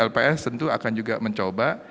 lps tentu akan juga mencoba